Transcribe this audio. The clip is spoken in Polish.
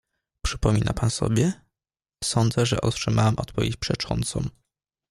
"Przypomina pan sobie, sądzę, że otrzymałem odpowiedź przeczącą."